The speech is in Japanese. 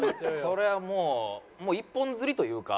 これはもうもう一本釣りというか。